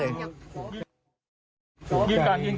เยี่ยมกันเยี่ยมกัน